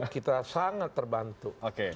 kita sangat terbantu